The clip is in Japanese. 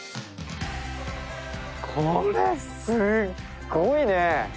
これすごいね！